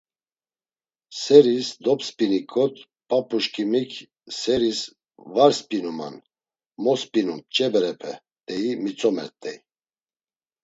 Seris dopsp̌iniǩot p̌ap̌uşǩimik: Seris var sp̌inuman, mo sp̌inumt ç̌e berepe! deyi mitzomert̆ey.